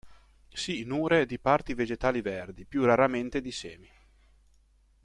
Si nure di parti vegetali verdi, più raramente di semi.